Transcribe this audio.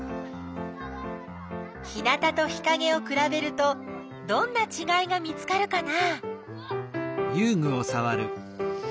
日なたと日かげをくらべるとどんなちがいが見つかるかな？